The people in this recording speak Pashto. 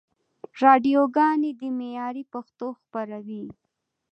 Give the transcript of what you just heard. راډیوګاني دي معیاري پښتو خپروي.